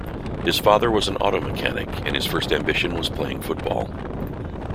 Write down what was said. His father was an auto mechanic and his first ambition was playing football.